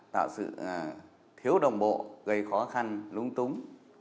tạo sự thiếu đồng bộ gây khó khăn lung túng